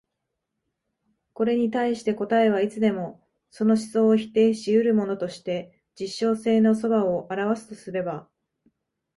これに対して答えはいつでもその思想を否定し得るものとして実証性の側を現すとすれば、